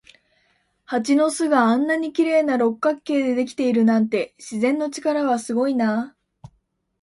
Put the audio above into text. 蜂の巣があんなに綺麗な六角形でできているなんて、自然の力はすごいなあ。